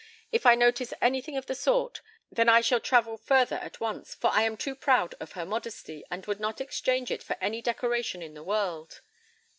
If I notice anything of the sort, then I shall travel further at once, for I am too proud of her modesty, and would not exchange it for any decoration in the world."